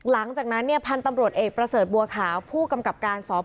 มีกล้วยติดอยู่ใต้ท้องเดี๋ยวพี่ขอบคุณ